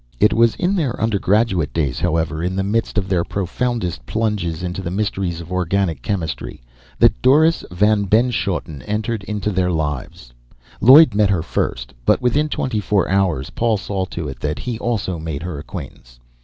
It was in their undergraduate days, however, in the midst of their profoundest plunges into the mysteries of organic chemistry, that Doris Van Benschoten entered into their lives. Lloyd met her first, but within twenty four hours Paul saw to it that he also made her acquaintance.